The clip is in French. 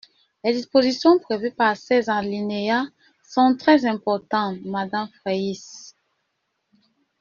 Les dispositions prévues par ces alinéas sont très importantes, madame Fraysse.